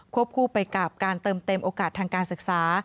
คู่ไปกับการเติมเต็มโอกาสทางการศึกษา